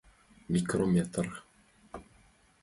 Микрометр.